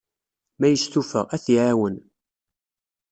Ma yestufa, ad t-iɛawen.